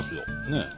ねえ。